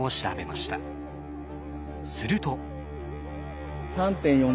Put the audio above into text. すると。